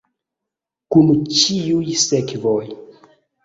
Kun ĉiuj sekvoj.